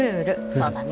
そうだね